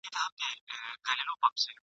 هغه ټولنه چي کتاب ته ارزښت ورکوي تل پرمختګ ..